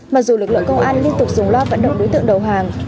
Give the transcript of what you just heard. mặc dù lực lượng công an liên tục dùng loa vận động đối tượng đầu hàng